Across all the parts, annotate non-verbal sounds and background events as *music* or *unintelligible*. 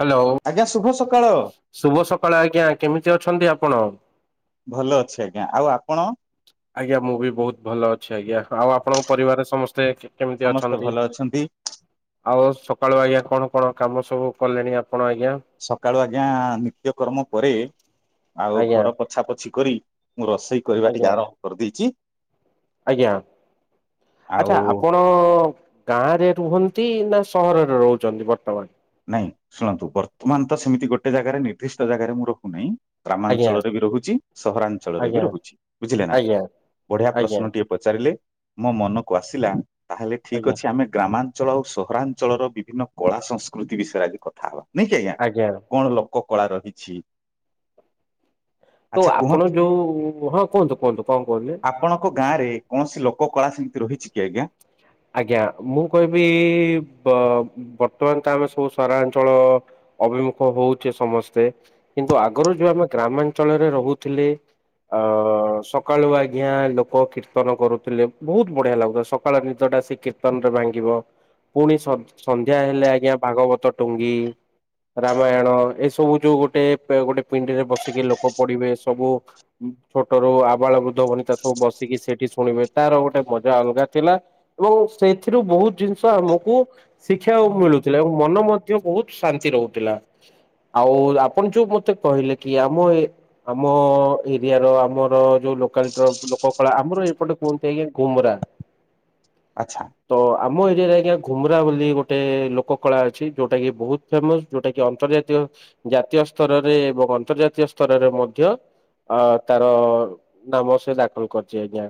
Hello. ଆଜ୍ଞା ଶୁଭ ସକାଳ। ଶୁଭ ସକାଳେ ଆଜ୍ଞା କେମିତି ଅଛନ୍ତି ଆପଣ? ଭଲ ଅଛି ଆଜ୍ଞା ଆଉ ଆପଣ? ଆଜ୍ଞା ମୁଁ ବି ବହୁତ ଭଲ ଅଛି ଆଜ୍ଞା ଆଉ ଆପଣଙ୍କ ପରିବାରରେ ସମସ୍ତେ କେମିତି ସମସ୍ତେ ଅଛନ୍ତି? ଭଲ ଅଛନ୍ତି। ଆଉ ସକାଳୁ ଆଜ୍ଞା କଣ କଣ କାମ ସବୁ କଲେଣି ଆପଣ ଆଜ୍ଞା? ସକାଳୁ ଆଜ୍ଞା ନିତ୍ୟକର୍ମ ପରେ ଆଉ ଆଜ୍ଞା ଘର ପଛା ପୋଛି କରି ମୁଁ ରୋଷେଇ କରିବା ଆଜ୍ଞା ଟିକେ ଆରମ୍ଭ କରିଦେଇଛି। ଆଜ୍ଞା ଆଉ ଆଚ୍ଛା ଆପଣ ତ ଗାଁରେ ରୁହନ୍ତି ନା ସହରରେ ରହୁଛନ୍ତି ବର୍ତ୍ତମାନ? ନାଇଁ ଶୁଣନ୍ତୁ ବର୍ତ୍ତମାନ ତ ସେମିତି ଗୋଟେ ଜାଗାରେ ନିର୍ଦ୍ଦିଷ୍ଟ ଜାଗାରେ ମୁଁ ରଖହୁନାହିଁ। ଆଜ୍ଞା ଗ୍ରାମାଞ୍ଚଳରେ ବି ରହୁଛି ସହରାଞ୍ଚଳରେ ବି ଆଜ୍ଞା ରହୁଛି ବୁଝିଲେ ନା ଆଜ୍ଞା ବଢିଆ ଆଜ୍ଞା ପ୍ରଶ୍ନଟିଏ। ପଚାରିଲେ ମୋ ମନକୁ ଆସିଲା ତାହେଲେ ଠିକ ଆଜ୍ଞା ଅଛି ଆମେ ଗ୍ରାମାଞ୍ଚଳ ଆଉ ସହରାଞ୍ଚଳର ବିଭିନ୍ନ କଳା ସଂସ୍କୃତି ବିଷୟରେ ଆଜି କଥା ହବା ନାଇକି ଆଜ୍ଞା? ଆଜ୍ଞା। କଣ ଲୋକ କଳା ରହିଛି? ତ ଆଚ୍ଛା କୁହନ୍ତୁ। ଆପଣ ଯୋଉ ହଁ କୁହନ୍ତୁ କୁହନ୍ତୁ କଣ କୁହନ୍ତୁ? ତାଙ୍କ ଗାଁ ରେ କଣ ଲୋକ କଳା ସେମିତି ରହିଛି କି ଆଜ୍ଞା? ଆଜ୍ଞା ମୁଁ କହିବି ବର୍ତ୍ତମାନ ତ ଆମେ ସବୁ ସହରାଞ୍ଚଳ ଅଭିମୁଖ ହଉଛେ ସମସ୍ତେ କିନ୍ତୁ ଆଗରୁ ଯୋଉ ଆମେ ଗ୍ରାମାଞ୍ଚଳରେ ରହୁଥିଲେ। ଅ ସକାଳୁ ଆଜ୍ଞା ଲୋକ କୀର୍ତ୍ତନ କରୁଥିଲେ ବହୁତ ବଢିଆ ଲାଗୁଥିଲା ସକାଳୁ ନି ଟା ସେ କୀର୍ତ୍ତନ ରେ ଭାଙ୍ଗିବ ପୁଣି ସନ୍ଧ୍ୟା ହେଲେ ଆଜ୍ଞା ଭାଗବତ ଟୁଙ୍ଗି। ରାମାୟଣ ଏସବୁ ଯୋଉ ଗୋଟେ ଗୋଟେ ପିଣ୍ଡିରେ ବସିକି ଲୋକ ପଡିବେ ସବୁ ଛୋଟ ରୁ ଆବାଳ ବୃଦ୍ଧ ଭନି ତା ସବୁ ବସିକି ସେଇଠି ଶୁଣିବେ ତାର ଗୋଟେ ମଜା ଅଲଗା ଥିଲା। ଏବଂ ସେଥିରୁ ବହୁତ ଜିନିଷ ଆମକୁ ଶିକ୍ଷା ମିଳୁଥିଲା ଏବଂ ମନ ମଧ୍ୟ ବହୁତ ଶାନ୍ତି ରହୁଥିଲା। ଆଉ ଆପଣ ଯୋଉ ମତେ କହିଲେ କି ଆମ ଏ ଆମ ଏରିଆ ର ଆମର ଯୋଉ ଲୋକାଲିଟିର ଲୋକ କଳା ଆମର ଏପଟେ କୁହନ୍ତି ଆଜ୍ଞା ଗୁମରା। ଆଚ୍ଛା। ତ ଆମ ଏରିଆରେ ଆଜ୍ଞା ଘୁମ୍ରା ବୋଲି ଗୋଟେ ଲୋକ କଳା ଅଛି ଯୋଉଟା କି ବହୁତ ଫେମସ ଯୋଉଟା କି ଅନ୍ତର୍ଜାତୀୟ ଜାତୀୟ ସ୍ତରରେ ଏବଂ ଅନ୍ତର୍ଜାତୀୟ ସ୍ତରରେ ମଧ୍ୟ ଅ ତାର ନାମ ସେ ଦାଖଲ କରିଚି ଆଜ୍ଞା।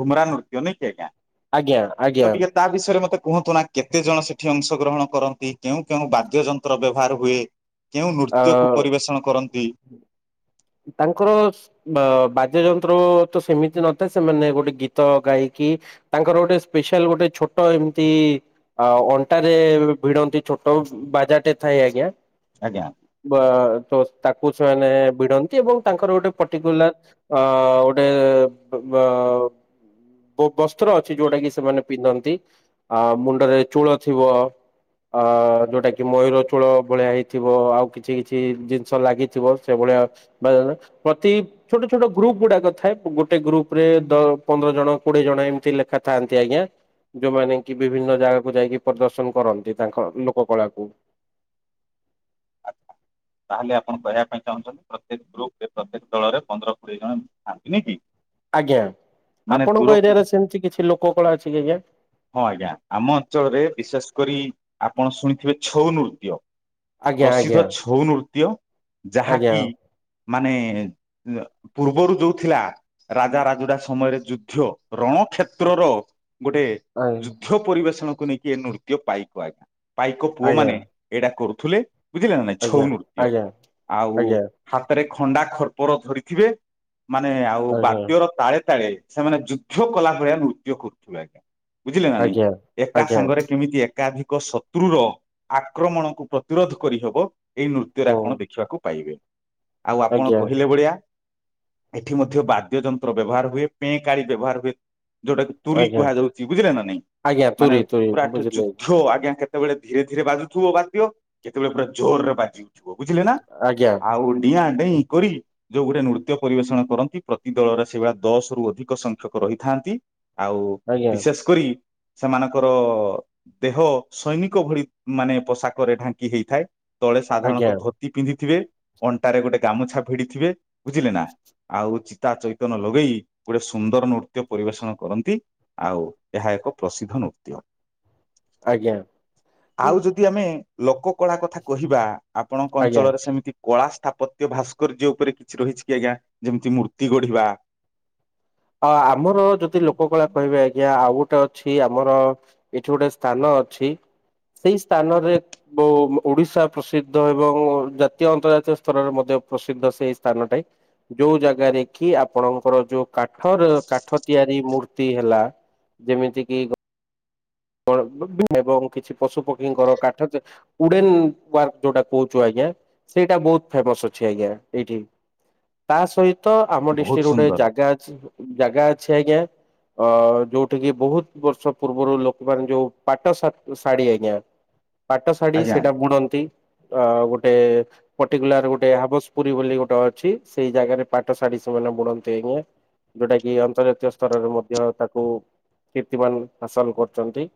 ଘୁମରା ନୃତ୍ୟ ନକେ ଆଜ୍ଞା। ଆଜ୍ଞା ତ ଆଜ୍ଞା। ଟିକେ ତା ବିଷୟରେ ମତେ କୁହନ୍ତୁ ନା କେତେ ଜଣ ସେଠି ଅଂଶଗ୍ରହଣ କରନ୍ତି କେଉଁ କେଉଁ ବାଦ୍ୟ ଯନ୍ତ୍ର ବ୍ୟବହାର ହୁଏ? କେଉଁ ଅ ନୃତ୍ୟକୁ ପରିବେଷଣ କରନ୍ତି? ତାଙ୍କର ବା ବାଦ୍ୟ ଯନ୍ତ୍ର ତ ସେମିତି ନଥାଏ ସେମାନେ ଗୋଟେ ଗୀତ ଗାଇକି ତାଙ୍କର ଗୋଟେ ସ୍ପେଶାଲ ଗୋଟେ ଛୋଟ ଏମତି ଆଉ ଅଣ୍ଟା ରେ ଭିଡନ୍ତି ଛୋଟ ବାଜାରଟେ ଥାଏ ଆଜ୍ଞା। ଆଜ୍ଞା। ବା ତ ତାକୁ ଛୁଆମାନେ ଭିଡ଼ନ୍ତି। ଏବଂ ତାଙ୍କର ଗୋଟେ ପର୍ଟିକୁଲାର ଅ ଗୋଟେ ବ ବସ୍ତ୍ର ଅଛି ଯୋଉଟା କି ସେମାନେ ପିନ୍ଧନ୍ତି ଆ ମୁଣ୍ଡରେ ଚୂଳ ଥିବ। ଅ ଯୋଉଟା କି ମୟୂର ଚୂଳ ଭଳିଆ ହେଇଥିବ ଆଉ କିଛି କିଛି ଜିନିଷ ଲାଗିଥିବ। ସେଭଳିଆ ବା ପ୍ରତି ଛୋଟ ଛୋଟ ଗ୍ରୁପ ଗୁଡାକ ଥାଏ ଗୋଟେ ଗ୍ରୁପ ରେ ଦ ପନ୍ଦର ଜଣ କୋଡିଏ ଜଣ ଏମିତି ଲେଖା ଥାଆନ୍ତି ଆଜ୍ଞା। ଯୋଉମାନେ କି ବିଭିନ୍ନ ଜାଗାକୁ ଯାଇକି ପ୍ରଦର୍ଶନ କରନ୍ତି ତାଙ୍କ ଲୋକ କଳାକୁ। ତାହେଲେ ଆପଣ କହିବା ପାଇଁ ଚାହୁଁଛନ୍ତି ପ୍ରତ୍ୟେକ ଗ୍ରୁପ ରେ ପ୍ରତ୍ୟେକ ଦଳରେ ପନ୍ଦର କୋଡିଏ ଜଣ *unintelligible* ଥାଆନ୍ତି ନି କି? ଆଜ୍ଞା ମାନେ ଆପଣଙ୍କ ଦୂରକୁ ଏରିଆରେ ସେମତି କିଛି ଲୋକ କଳା ଅଛି କି ଆଜ୍ଞା? ହଁ ଆଜ୍ଞା ଆମ ଅଞ୍ଚଳରେ ବିଶେଷ କରି ଆପଣ ଶୁଣିଥିବେ ଛଉ ନୃତ୍ୟ ଆଜ୍ଞା? ପ୍ରସିଦ୍ଧ ଛଉ ନୃତ୍ୟ ଆଜ୍ଞା ଯାହାକି ମାନେ ପୂର୍ବରୁ ଯୋଉଥିଲା ରାଜାରାଜୁଦା ସମୟରେ ଯୁଦ୍ଧ ରଣକ୍ଷେତ୍ରର ଗୋଟେ ଯୁଦ୍ଧ ପରିବେଷଣକୁ ନେଇକି ଏ ନୃତ୍ୟ ପାଇକ ଆଜ୍ଞା ପାଇକ ଆଜ୍ଞା ପୁଅ ଆଜ୍ଞା ମାନେ ଏଇଟା କରୁଥିଲେ। ବୁଝିଲେ ନା ନାଇଁ ଆଜ୍ଞା ଛଉନୃତ୍ୟ। ଆଜ୍ଞା ଆଉ ଆଜ୍ଞା ହାତରେ ଖଣ୍ଡା ଖରପର ଧରିଥିବେ ମାନେ ଆଉ ବାଦ୍ୟର ତାଳେ ତାଳେ ସେମାନେ ଯୁଦ୍ଧ କଲା ଭଳିଆ ନୃତ୍ୟ କରୁଥିବେ ଆଜ୍ଞା। ବୁଝିଲେ ନା ନାଇଁ ଆଜ୍ଞା ଆଜ୍ଞା ଆଜ୍ଞା ଏକା ଆଜ୍ଞା ସାଙ୍ଗରେ କେମିତି ଏକାଧିକ ସତ କ୍ରୁର ଆକ୍ରମଣକୁ ପ୍ରତିରୋଧ କରିହେବ ଏଇ ନୃତ୍ୟରେ ହୁଁ ଆପଣ ଦେଖିବାକୁ ପାଇବେ। ଆଉ ଆପଣ ଆଜ୍ଞା କହିଲେ ଭଳିଆ ଏଠି ମଧ୍ୟ ବାଦ୍ୟଯନ୍ତ୍ର ବ୍ୟବହାର ହୁଏ ପେଁକାଳି ବ୍ୟବହାର ହୁଏ। ଯୋଉଟା କି ତୁୁରୀ ଆଜ୍ଞା କୁହାଯାଉଚି ବୁଝିଲେ ନା ନାଇଁ ଆଜ୍ଞା ମାନେ ତୁରି ତୁରି ପୁରା ଏଠି ବୁଝିଲି ଯୁଦ୍ଧ ଆଜ୍ଞା କେ କେତେବେଳେ ଧୀରେ ଧୀରେ ବାଜୁଥିବ ବାଦ୍ୟ କେତେବେଳେ ପୁରା ଜୋରରେ ବାଜିଉଠିବ ବୁଝିଲେ ନା ଆଜ୍ଞା ଆଉ ଡିଆଁଡେଇଁ କରି ଯୋଉ ଗୋଟେ ନୃତ୍ୟ ପରିବେଷଣ କରନ୍ତି ପ୍ରତି ଦଳରେ ସେଇଭଳିଆ ଦଶ ରୁ ଅଧିକ ସଂଖ୍ୟକ ରହିଥାନ୍ତି ଆଉ ଆଜ୍ଞା ବିଶେଷକରି ସେମାନଙ୍କର ଦେହ ସୈନିକଭଳି ମାନେ ପୋଷାକରେ ଢାଙ୍କି ହେଇଥାଏ। ତଳେ ଆଜ୍ଞା ସାଧାରଣତଃ ଧୋତି ପିନ୍ଧିଥିବେ ଅଣ୍ଟାରେ ଗୋଟେ ଗାମୁଛା ଭିଡିଥିବେ। ବୁଝିଲେ ନା ଆଉ ଚିତା ଚୈତନ ଲଗେଇ ଗୋଟେ ସୁନ୍ଦର ନୃତ୍ୟ ପରିବେଷଣ କରନ୍ତି। ଆଉ ଏହା ଏକ ପ୍ରସିଦ୍ଧ ନୃତ୍ୟ। ଆଜ୍ଞା ଆଉ ଯଦି ଯଦି ଆମେ ଲୋକ କଳା କଥା କହିବା ଆପଣଙ୍କ ଆଜ୍ଞା ଅଞ୍ଚଳରେ ସେମିତି କଳା ସ୍ଥାପତ୍ୟ ଭାସ୍କର୍ଯ୍ୟ ଉପରେ କିଛି ରହିଛି କି ଆଜ୍ଞା ଯେମିତି ମୂର୍ତ୍ତି ଗଢିବା ଅ ଆମର ଯଦି ଲୋକ କଳା କହିବେ ଆଜ୍ଞା ଆଉ ଗୋଟେ ଅଛି ଆମର ଏଠି ଗୋଟେ ସ୍ଥାନ ଅଛି ସେଇ ସ୍ଥାନରେ ବ ଓଡିଶା ପ୍ରସିଦ୍ଧ ଏବଂ ଜାତୀୟ ଅନ୍ତର୍ଜାତୀୟ ସ୍ତରରେ ମଧ୍ୟ ପ୍ରସିଦ୍ଧ ସେଇ ସ୍ଥାନଟାଇ ଯୋଉ ଜାଗାରେ କି ଆପଣଙ୍କର ଯୋଉ। କାଠ ର କାଠ ତିଆରି ମୂର୍ତ୍ତି ହେଲା ଯେମିତି କି। *inaudible* ଏବଂ କିଛି ପଶୁପକ୍ଷୀଙ୍କର କାଠ ଉଡେନ ୱାର୍କ ଯୋଉଟା କହୁଛୁ ଆଜ୍ଞା ସେଇଟା ବହୁତ ଫେମସ୍ ଅଛି ଆଜ୍ଞା ଏଇଠି। ତା ସହିତ ଆମ ବହୁତ ଡିଷ୍ଟ୍ରିକ୍ଟ ରେ ଗୋଟେ ସୁନ୍ଦର ଜାଗା ଅଛି। ଜାଗା ଅଛି ଆଜ୍ଞା, ଅ ଯୋଉଠିିକି ବହୁତ ବର୍ଷ ପୂର୍ବରୁ ଲୋକ୍ ମାନେ ଯୋଉ ପାଟ ଶା ଶାଢୀ ଆଜ୍ଞା ପାଟ ଶାଢୀ ଆଜ୍ଞା ସେଇଟା ବୁଣନ୍ତି। ଆଉ ଗୋଟେ। ପଟିକୁଲାର ଗୋଟେ ହାବସପୁରୀ ବୋଲି ଗୋଟେ ଅଛି ସେଇ ଜାଗାରେ ପାଟ ଶାଢୀ ସେମାନେ ବୁଣନ୍ତି ଆଜ୍ଞା। ଯୋଉଟା କି ଅନ୍ତର୍ଜାତୀୟ ସ୍ତରରେ ମଧ୍ୟ ତାକୁ କୀର୍ତ୍ତିମାନ ହାସଲ କରି ଛନ୍ତି।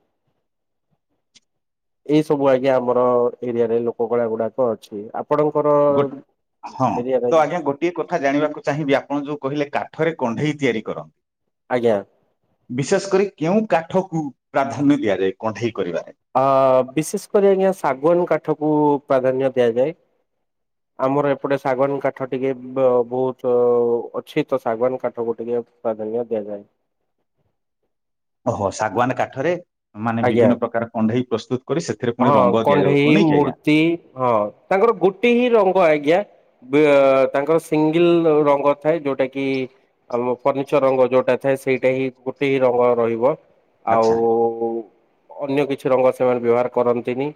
ଏଇ ସବୁ ଆଜ୍ଞା ଆମର ଏରିଆରେ ଲୋକ କଳା ଗୁଡାକ ଅଛି ଆପ ଆପଣଙ୍କର ଗୋ ହଁ ତ ଏରିଆରେ। ଆଜ୍ଞା ଗୋଟିଏ କଥା ଜାଣିବାକୁ ଚାହିଁବି ଆପଣ ଯୋଉ କହିଲେ କାଠରେ କଣ୍ଢେଇ ତିଆରି କରନ ଆଜ୍ଞା। ବିଶେଷକରି କେଉଁ କାଠକୁ ପ୍ରାଧାନ୍ୟ ଦିଆଯାଏ କଣ୍ଢେଇ କରିବାରେ। ଅ ବିଶେଷକରି ଆଜ୍ଞା ଶାଗୁଆନ କାଠକୁ ପ୍ରାଧାନ୍ୟ ଦିଆଯାଏ। ଆମର ଏପଟେ ଶାଗୁଆନ କାଠ ଟିକେ ବ ବହୁତ ଅଛି ତ ଶାଗୁଆନ କାଠକୁ ଟିକେ। ପ୍ରାଧାନ୍ୟ ଦିଆଯାଏ। ଓ ହୋ ଶାଗୁଆନ କାଠରେ। ମାନେ ଆଜ୍ଞା ବିଭିନ୍ନ ପ୍ରକାର କଣ୍ଢେଇ ପ୍ରସ୍ତୁତ କରି ସେଥିରେ ପୁଣି ହଁ ରଙ୍ଗ କଣ୍ଢେଇ ଦିଆଯାଉଥିବ ନାଇଁ କି ଆଜ୍ଞା। ମୂର୍ତ୍ତି ହଁ, ତାଙ୍କର ଗୋଟେ ହିଁ ରଙ୍ଗ ଆଜ୍ଞା। ବେ ତାଙ୍କର ସିଙ୍ଗଲ ରଙ୍ଗ ଥାଏ ଯୋଉଟା କି। ଆମ ଫର୍ଣ୍ଣିିଚର ରଙ୍ଗ ଯୋଉଟା ଥାଏ ସେଇଟା ହିଁ ଗୋଟେ ହି ରଙ୍ଗ ରହିବ ଆଚ୍ଛା ଆଉ। ଅନ୍ୟ କିଛି ରଙ୍ଗ ସେମାନେ ବ୍ୟବହାର କରନ୍ତିନି।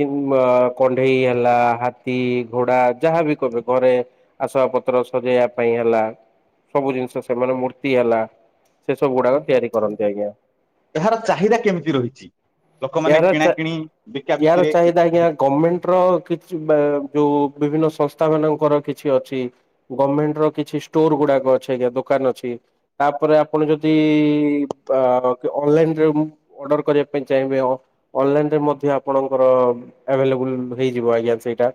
କିମ୍ ଆ କଣ୍ଢେଇ ହେଲା ହାତୀ ଘୋଡା ଯାହାବି କହିବେ ଘରେ। ଆସବାବ ପତ୍ର ସଜେଇବା ପାଇଁ ହେଲା। ସବୁ ଜିନିଷ ସେମାନେ ମୂର୍ତ୍ତି ହେଲା ସେ ସବୁ ଗୁଡାକ ତିଆରି କରନ୍ତି ଆଜ୍ଞା। ଏହାର ଚାହିଦା କେମିତି ରହିଛି। ଲୋକମାନେ ଏହାର କିଣା ଚା କିିଣି ବିକା ଏହାର ବିକିରେ ଚାହିଦା ଆଜ୍ଞା ଗମେଣ୍ଟ ର କି ବା ଯୋଉ ବିଭିନ୍ନ ସଂସ୍ଥା ମାନଙ୍କର କିଛି ଅଛି। ଗମେଣ୍ଟ ର କିଛି ଷ୍ଟୋର ଗୁଡାକ ଅଛି ଆଜ୍ଞା ଦୋକାନ ଅଛି। ତାପରେ ଆପଣ ଯଦି ବା ଅନଲାଇନରେ। ଅର୍ଡର କରିବା ପାଇଁ ଚାହିଁବେ ଅ ଅନଲାଇନ ରେ ମଧ୍ୟ ଆପଣଙ୍କର ଆଭେଲେବୁଲ ହେଇଯିବ ଆଜ୍ଞା ସେଇଟା।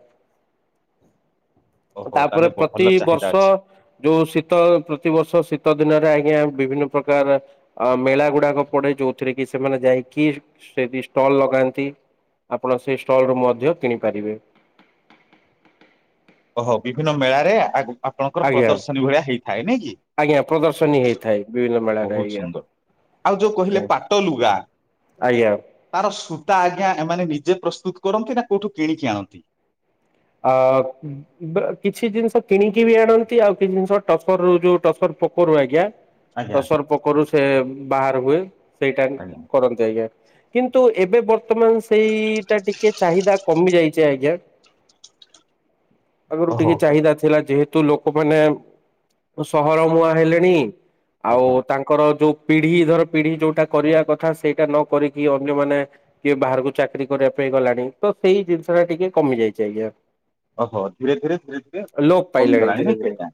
ତ ଓହୋ ତାପରେ ତାହେଲେ ବ- ଭଲ ପ୍ରତି ଚାହିଦା ବର୍ଷ। ଅଛି। ଯୋଉ ଶୀତ ପ୍ରତିବର୍ଷ ଶୀତ ଦିନରେ ଆଜ୍ଞା ବିଭିନ୍ନ ପ୍ରକାର। ଅ ମେଳା ଗୁଡାକ ପଡେ ଯୋଉଥିରେ କି ସେମାନେ ଯାଇକି ସେଠି ଷ୍ଟଲ ଲଗାନ୍ତି। ଆପଣ ସେହି ଷ୍ଟଲ୍ରୁ ମଧ୍ୟ କିଣିପାରିବେ। ଓହୋ ବିଭିନ୍ନ ମେଳାରେ ଆଗୁ ଆପଣଙ୍କର ଆଜ୍ଞା ପ୍ରଦର୍ଶନୀ ଭଳିଆ ହେଇଥାଏ ନାଇ କି ଆଜ୍ଞା ପ୍ରଦର୍ଶନୀ ହେଇଥାଏ ବିଭିନ୍ନ ମେଳାରେ ବହୁତ ଆଜ୍ଞା ସୁନ୍ଦର। ଆଉ ଯୋଉ କହିଲେ ପାଟ ଲୁଗା। ଆଜ୍ଞା। ତାର ସୂତା ଆଜ୍ଞା ଏମାନେ ନିଜେ ପ୍ରସ୍ତୁତ କରନ୍ତି ନା କୋଉଠୁ କିଣିକି ଆଣନ୍ତି। ଅ ଉ। ବ୍ କିଛି ଜିନିଷ କିଣିକି ବି ଆଣନ୍ତି ଆଉ କିଛି ଜିନିଷ ଟସରୁର ଯୋଉ ଟସର ପୋକରୁ ଆଜ୍ଞା। ଆଜ୍ଞା ଟସର ପୋକରୁ ସେ ବାହାର ହୁଏ, ସେଇଟା ହିଁ ଆଜ୍ଞା। କରନ୍ତି। ଯାଇଜ୍ଞା କିନ୍ତୁ ଏବେ ବର୍ତ୍ତମାନ ସେଇଟା ଟିକେ ଚାହିଦା କମି ଯାଇଛି ଆଜ୍ଞା। ଆଗରୁ ଓହୋ ଟିକେ ଚାହିଦାଥିଲା ଯେହେ ତୁ ଲୋକମାନେ ସହର ମୁହାଁ ହେଲେଣି, ଆଉ ଆଜ୍ଞା ତାଙ୍କ ଙ୍କର ଯୋଉ ପିଢ଼ି ଧର ପିଢ଼ି ଯୋଉଟା କରିବା କଥା ସେଇଟା ନ କରିକି ଅନ୍ୟମାନେ କିଏ ବାହାରକୁ ଚାକିରି କରିବା ପାଇଁ ଗଲାଣି ତ ସେଇ ଜିନିଷ ଟା ଟିକେ କମି ଯାଇଛି ଆଜ୍ଞା। ଓହୋ ଧୀରେ ଧୀରେ ଧୀରେ ଧୀରେ ଲୋପ ପାଇଲାଣି କମିଗଲାଣି ଧୀରେ ନାଇକି ଧୀରେ ଆଜ୍ଞା?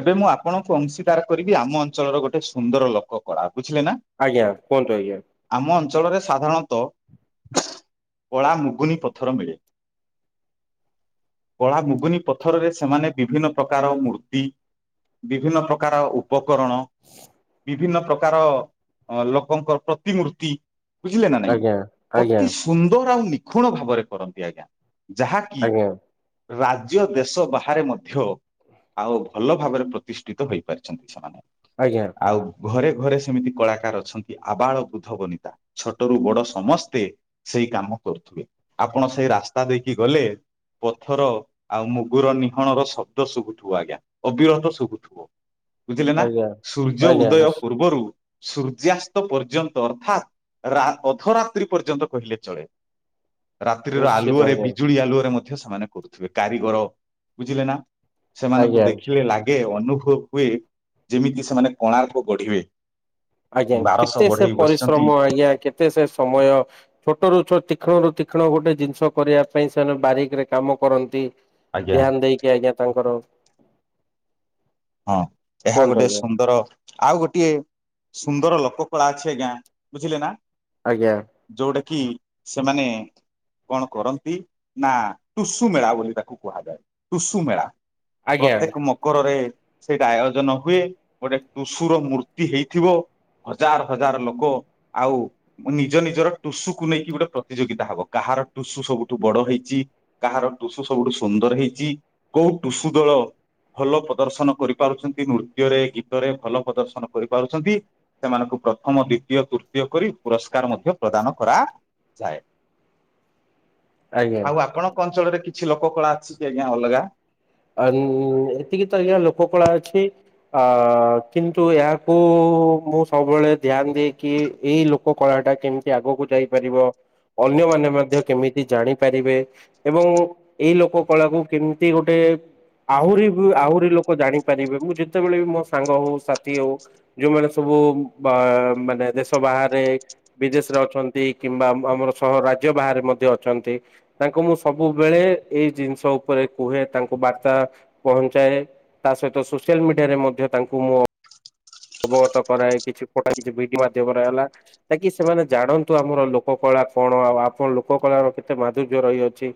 ଏବେ ମୁଁ ଆପଣଙ୍କୁ ଅଂଶୀଦାର କରିବି ଆମ ଅଞ୍ଚଳର ଗୋଟେ ସୁନ୍ଦର ଲୋକ କଳା, ବୁଝିଲେ ନା। ଆଜ୍ଞା କୁହନ୍ତୁ ଆଜ୍ଞା। ଆମ ଅଞ୍ଚଳରେ ସାଧାରଣତଃ କଳା ମୁଗୁନି ପଥର ମିଳେ। କଳା ମୁଗୁନି ପଥରରେ ସେମାନେ ବିଭିନ୍ନ ପ୍ରକାର ମୂର୍ତ୍ତି ବିଭିନ୍ନ ପ୍ରକାର ଉପକରଣ ବିଭିନ୍ନ ପ୍ରକାର ଲୋକଙ୍କ ପ୍ରତିମୂର୍ତ୍ତି ବୁଝିଲେ ନା ନାଇଁ ଆଜ୍ଞା ଆଜ୍ଞା ଅତି ସ କୁନ୍ଦର ଆଉ ନିଖୁଣ ଭାବରେ କରନ୍ତି ଆଜ୍ଞା, ଯାହାକି ଆଜ୍ଞା ରାଜ୍ୟ ଦେଶ ବାହାରେ ମଧ୍ୟ ଆଉ ଭଲ ଭାବରେ ପ୍ରତିଷ୍ଠିତ ହୋଇପାରିଛନ୍ତି ସେମାନେ। ଆଜ୍ଞା। ଆଉ ଘରେ ଘରେ ସେମିତି କଳାକାର ଅଛନ୍ତି ଆବାଳ ବୃଦ୍ଧ ବନିତା। ଛୋଟରୁୁ ବଡ଼ ସମସ୍ତେ ସେଇ କାମ କରୁଥିବେ। ଆପଣ ସେ ରାସ୍ତା ଦେଇକି ଗଲେ ପଥର ଆଉ ମୁଗୁର ନିହଣର ଶବ୍ଦ ଶୁଭୁଥିବ ଆଜ୍ଞା, ଅବିରତ ଶୁଭୁଥିବ। ବୁଝିଲେ ନା, ଆଜ୍ଞା ସୂର୍ଯ୍ୟ ଆଜ୍ଞା ଉଦୟ ନିଶ୍ଚୟ। ପୂର୍ବରୁ ସୂର୍ଯ୍ୟାସ୍ତ ପର୍ଯ୍ୟନ୍ତ ଅର୍ଥାତ୍ ରା ଅଧରାତ୍ରି ପର୍ଯ୍ୟନ୍ତ କହିଲେ ଚଳେ। ରାତ୍ରିର ନିଶ୍ଚିତ ଆଲୁଅରେ ଆଜ୍ଞା ବିଜୁଳି ଆଲୁଅରେ ମଧ୍ୟ ସେମାନେ କରୁଥିବେ କାରିଗର ବୁଝିଲେ ନା। ସେମାନଙ୍କୁ ଆଜ୍ଞା ଦେଖିଲେ ଲାଗେ ଅନୁଭବ ହୁଏ, ଯେମିତି ସେମାନେ କୋଣାର୍କ ଗଢ଼ିବେ। ଆଜ୍ଞା କେତେ ସେ ବସିଛନ୍ତି ପରିଶ୍ରମ ଆଜ୍ଞା କେତେ ସେ ସମୟ। ଛୋଟ ରୁ ଛୋ ତୀକ୍ଷ୍ଣ ରୁ ତୀକ୍ଷ୍ଣ ଗୋଟେ ଜିନିଷ କରିବା ପାଇଁ ସେମାନେ ବାରିକରେ କାମ କରନ୍ତି। ଆଜ୍ଞା ଧ୍ୟାନ୍ ଦେଇକି ଆଜ୍ଞା ତାଙ୍କର ହଁ ଏହା କୁହନ୍ତୁ ଗୋଟେ ଆଜ୍ଞା ସୁନ୍ଦର ଆଉ ଗୋଟିଏ ସୁନ୍ଦର ଲୋକ କଳା ଅଛି ଆଜ୍ଞା, ବୁଝିଲେ ନା। ଆଜ୍ଞା। ଯୋଉଟା କିି ସେମାନେ କଣ କରନ୍ତି ନା ଟୁସୁ ମେଳା ବୋଲି ତାକୁ କୁହାଯାଏ। ଟୁସୁ ମେଳା। ଆଜ୍ଞା ପ୍ରତ୍ୟେକ ମକରରେ ସେଇଟା ଆୟୋଜନ ହୁଏ, ଗୋଟେ ଟୁସୁର ମୂର୍ତ୍ତି ହେଇଥିବ। ହଜାର ହଜାର ଲୋକ ଆଉ ନିଜ ନିଜର ଟୁସୁକୁ ନେଇକି ଗୋଟେ ପ୍ରତିଯୋଗିତା ହବ। କାହାର ଟୁସୁ ସବୁଠୁ ବଡ଼ ହେଇଛି କାହାର ଟୁସୁ ସବୁଠୁ ସୁନ୍ଦର ହେଇଛି, କୋଉ ଟୁସୁ ଦଳ ଭଲ ପ୍ରଦର୍ଶନ କରିପାରୁଛନ୍ତି ନୃତ୍ୟରେ, ଗୀତରେ ଭଲ ପ୍ରଦର୍ଶନ କରିପାରୁଛନ୍ତି। ସେମାନଙ୍କୁ ପ୍ରଥମ, ଦ୍ଵିତୀୟ, ତୃତୀୟ କରି ପୁରସ୍କାର ମଧ୍ୟ ପ୍ରଦାନ କରାଯାଏ। ଆଜ୍ଞା ଆଉ ଆପଣଙ୍କ ଅଞ୍ଚଳରେ କିଛି ଲୋକ କଳା ଅଛି କି ଆଜ୍ଞା ଅଲଗା? ଆଲ୍ ଏତିକି ତ ଆଜ୍ଞା ଲୋକ କଳା ଅଛି। ଆ କିନ୍ତୁ ଏହାକୁ ମୁଁ ସବୁବେଳେ ଧ୍ୟାନ ଦିଏ କିି ଏଇ ଲୋକ ମୋ କଳା ଟା କେମିତି ଆଗକୁ ଯାଇପାରିବ, ଅନ୍ୟମାନେ ମଧ୍ୟ କେମିତି ଜାଣିପାରିବେ ଏବଂ ଏଇ ଲୋକ କଳାକୁ କେମତି ଗୋଟେ ଆହୁରି ବି ଆହୁରି ଲୋକ ଜାଣିପାରିବେ ମୁଁ ଯେତେବେଳେ ବି ମୋ ସାଙ୍ଗ ହଉ ସାଥି ହଉ ଯୋଉମାନେ ସବୁ ପ ମାନେ ଦେଶ ବାହାରେ ବିଦେଶରେ ଅଛନ୍ତି କିମ୍ବା ଆମର ସହ ରାଜ୍ୟ ବାହାରେ ମଧ୍ୟ ଅଛନ୍ତି। ତାଙ୍କ ମୁଁ ସବୁବେଳେ ଏଇ ଜିନିଷ ଉପରେ କୁହେ। ତାଙ୍କ ବାର୍ତ୍ତା ପହଞ୍ଚାଏ। ତା ସହିତ ସୋସିଆଲ ମିଡିଆରେ ମଧ୍ୟ ତାଙ୍କୁ ମୁଁ ଅବଗତ କରାଏ କିଛି ଫୋଟା କିଛି ଭିଡିଓ ମାଧ୍ୟମରେ ହେଲା। ତା କିି ସେମାନେ ଜାଣନ୍ତୁ ଆମର ଲୋକ କଳା କଣ, ଆଉ ଆପଣ ଲୋକ କଳାର କେତେ ମାଧୁର୍ଯ୍ୟ ରହିଅଛି।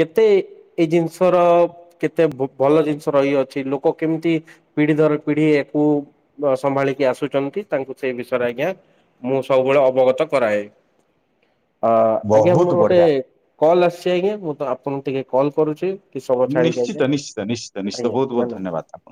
କେତେ ଏଇ ଜିନିଷ ର କେତେ ଭଲ ଜିନିଷ ରହିଅଛି, ଲୋକ କେମିତି ପିଢି ଦର ପିଢି ଆକୁ ସମ୍ଭାଳିକି ଆସୁଛନ୍ତି ତାଙ୍କୁ ସେଇ ବିଷୟରେ ଆଜ୍ଞା ମୁଁ ସବୁବେଳେ ଅବଗତ କରାଏ। ଅ ଆଜ୍ଞା ମୋର ବହୁତ ଗୋଟେ ବଢିଆ କଲ୍ ଆସିଚି ଆଜ୍ଞା ମୁଁ ତ ଆପଣଙ୍କୁ ଟିକେ କଲ୍ କରୁଚି କିଛି ସମୟ ଛାଡିକି ନିଶ୍ଚିତ ଆଜ୍ଞା, ନିଶ୍ଚିତ ନିଶ୍ଚିତ ନିଶ୍ଚିତ ଆଜ୍ଞା ବହୁତ ବହୁତ ନା ନାଇଁ। ଧନ୍ୟବାଦ ଆପଣ